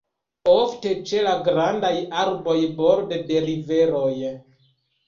Ofte ĉe la grandaj arboj borde de riveroj.